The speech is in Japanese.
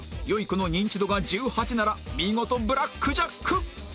この認知度が１８なら見事ブラックジャック！